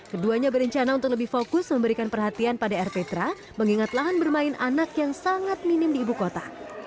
keduanya berencana untuk lebih fokus memberikan perhatian pada rptra mengingat lahan bermain anak yang sangat minim di ibu kota